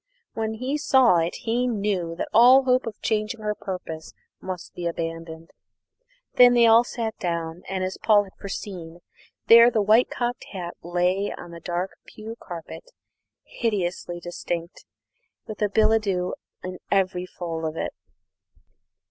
When he saw it he knew that all hope of changing her purpose must be abandoned. Then they all sat down, and, as Paul had foreseen, there the white cocked hat lay on the dark pew carpet, hideously distinct, with billet doux in every fold of it!